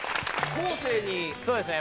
昴生にそうですね